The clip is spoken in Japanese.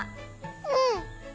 うん！